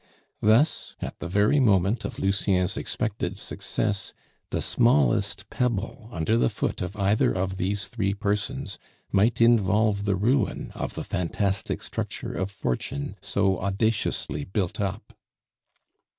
Thus, as the very moment of Lucien's expected success, the smallest pebble under the foot of either of these three persons might involve the ruin of the fantastic structure of fortune so audaciously built up.